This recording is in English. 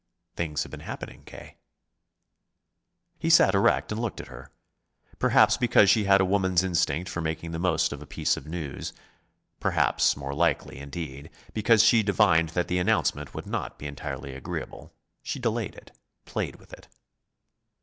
"Things have been happening, K." He sat erect and looked at her. Perhaps because she had a woman's instinct for making the most of a piece of news, perhaps more likely, indeed because she divined that the announcement would not be entirely agreeable, she delayed it, played with it.